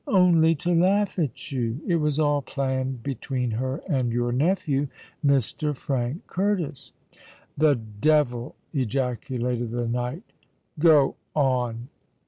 "Only to laugh at you. It was all planned between her and your nephew Mr. Frank Curtis——" "The devil!" ejaculated the knight. "Go on."